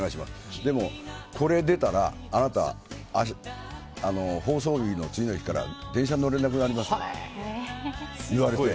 でもこれ出たらあなた、放送日の次の日から電車に乗れなくなりますよと言われて。